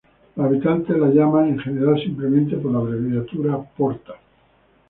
Los habitantes la llaman en general simplemente por la abreviatura "Porta".